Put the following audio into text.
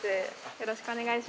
よろしくお願いします。